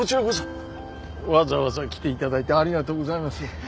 わざわざ来ていただいてありがとうございます。